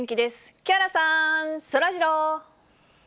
木原さん、そらジロー。